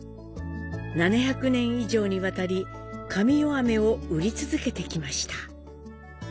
７００年以上にわたり「加美代飴」を売り続けてきました。